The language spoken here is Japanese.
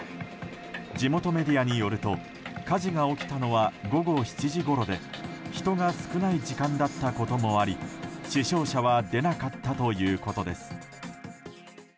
地元メディアによると火事が起きたのは午後７時ごろで人が少ない時間だったこともあり死傷者は出なかったということです。